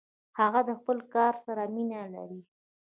هغه د خپل کار سره مینه لري.